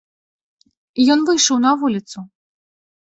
Ён выйшаў на вуліцу.